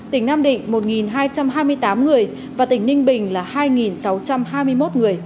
tỉnh nam định một hai trăm hai mươi tám người và tỉnh ninh bình là hai sáu trăm hai mươi một người